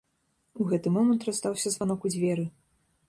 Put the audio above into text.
У гэты момант раздаўся званок у дзверы.